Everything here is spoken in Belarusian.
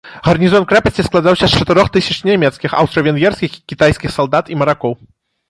Гарнізон крэпасці складаўся з чатырох тысяч нямецкіх, аўстра-венгерскіх і кітайскіх салдат і маракоў.